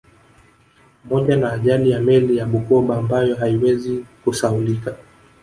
Pamoja na ajali ya meli ya Bukoba ambayo haiwezi kusahaulika